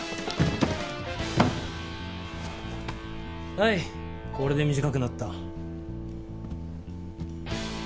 はいこれで短くなった。